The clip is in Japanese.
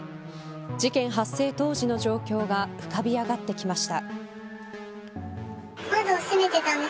事件発生当時の状況が浮かび上がってきました。